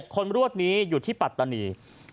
คนรวดนี้อยู่ที่ปัตตานี